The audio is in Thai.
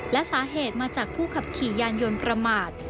และสาเหตุมาจากผู้ขับขี่ยานยนต์ประมาท